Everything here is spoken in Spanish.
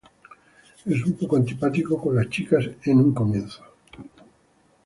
Es un poco antipático con las chicas en un comienzo.